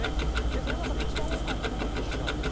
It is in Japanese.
その中で一番多かったのがこちらです。